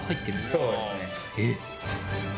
そうですね。